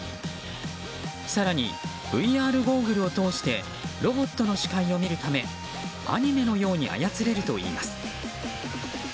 更にＶＲゴーグルを通してロボットの視界を見るためアニメのように操れるといいます。